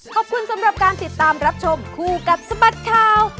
ขอบคุณสำหรับการติดตามรับชมคู่กับสบัดข่าว